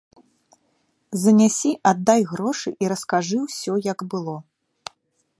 Занясі, аддай грошы і раскажы ўсё, як было.